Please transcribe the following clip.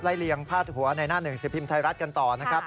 เลียงพาดหัวในหน้าหนึ่งสิบพิมพ์ไทยรัฐกันต่อนะครับ